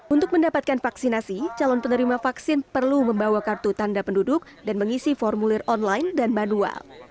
untuk mendapatkan vaksinasi calon penerima vaksin perlu membawa kartu tanda penduduk dan mengisi formulir online dan manual